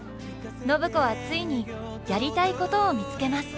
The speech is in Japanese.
暢子はついにやりたいことを見つけます。